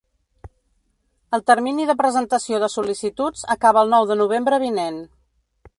El termini de presentació de sol·licituds acaba el nou de novembre vinent.